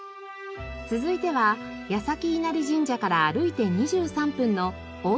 続いては矢先稲荷神社から歩いて２３分の鷲神社。